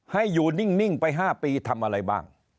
ให้อยู่นิ่งไป๕ปีทำอะไรบ้าง